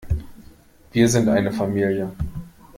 Wir sind eine Familie.